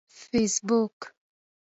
فیسبوک